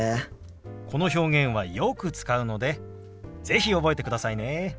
この表現はよく使うので是非覚えてくださいね。